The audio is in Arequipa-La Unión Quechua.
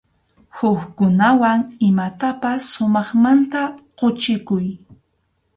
Hukkunawan imapas sumaqmanta quchikuy.